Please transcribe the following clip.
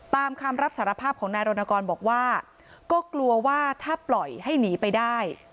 ตามคำรับสารภาพของนายรณกรบอกว่าก็กลัวว่าถ้าปล่อยให้หนีไปได้